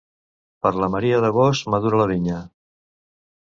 Per la Maria d'agost madura la vinya.